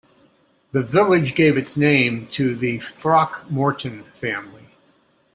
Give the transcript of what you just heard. The village gave its name to the Throckmorton family.